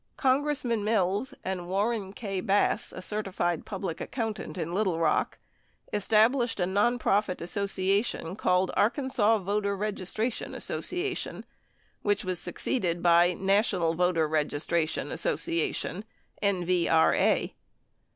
Congressman Mills and Warren K. Bass, a certified public ac countant in Little Rock, established a nonprofit association called Arkansas Voter Registration Association which was succeeded by National Voter Registration Association (NVRA).